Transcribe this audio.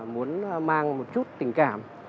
muốn mang một chút tình cảm